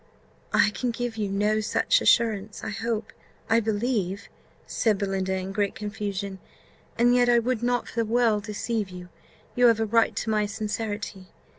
"I can give you no such assurance, I hope I believe," said Belinda, in great confusion; "and yet I would not for the world deceive you: you have a right to my sincerity."